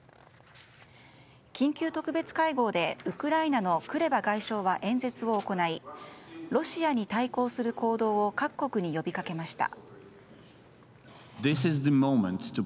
緊急特別会合で、ウクライナのクレバ外相は演説を行いロシアに対抗する行動を各国に呼びかけました。